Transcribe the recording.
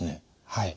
はい。